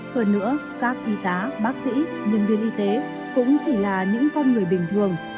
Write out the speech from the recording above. hơn nữa các y tá bác sĩ nhân viên y tế cũng chỉ là những con người bình thường